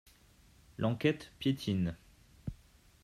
L'enquête piétine.